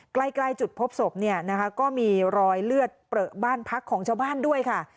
ใกล้จุดพบศพเนี่ยนะคะก็มีรอยเลือดเปลือบ้านพักของชาวบ้านด้วยค่ะ